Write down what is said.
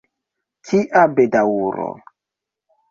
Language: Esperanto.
Kia bedaŭro!